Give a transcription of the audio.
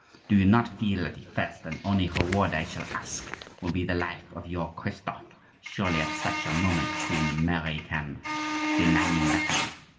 Do you not feel that the first and only reward I shall ask will be the life of your Christophe? Surely at such a moment Queen Mary can deny me nothing."